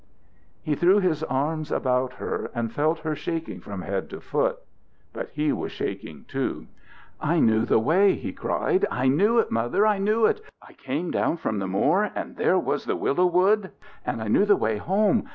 He threw his arms about her, and felt her shaking from head to foot. But he was shaking, too. "I knew the way!" he cried. "I knew it, Mother, I knew it! I came down from the Moor and there was the Willow Wood, and I knew the way home.